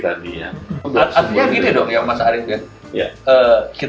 artinya gini dong mas arief